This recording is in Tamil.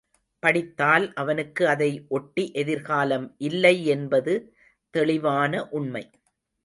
படித்தால் அவனுக்கு அதை ஒட்டி எதிர்காலம் இல்லை என்பது தெளிவான உண்மை.